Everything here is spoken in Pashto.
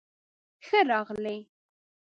ښۀ راغلئ